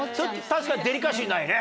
確かにデリカシーないね。